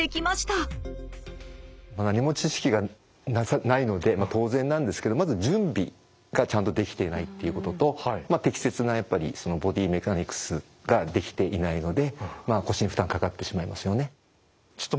何も知識がないので当然なんですけどまず準備がちゃんとできてないっていうことと適切なボディメカニクスができていないので腰に負担かかってしまいますよね。